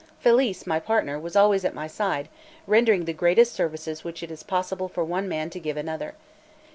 Felice, my partner, was always at my side, rendering the greatest services which it is possible for one man to give another.